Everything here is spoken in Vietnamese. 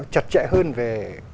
chặt chẽ hơn về